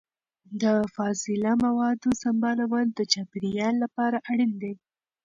د فاضله موادو سمبالول د چاپیریال لپاره اړین دي.